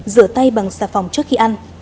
rửa tay bằng xà phòng trước khi ăn